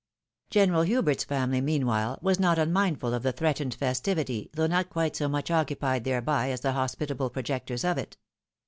General Hubert's family, meanwhile, were not unmindful of the threatened festivity, though not quite so much occupied thereby as the hospitable projectors of it.